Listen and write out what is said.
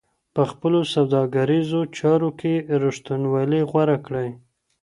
په خپلو سوداګريزو چارو کي رښتينولي غوره کړئ.